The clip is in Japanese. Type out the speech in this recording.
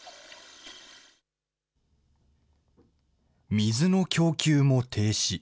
水の供給も停止。